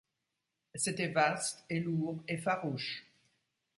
C’était vaste et lourd, et farouche.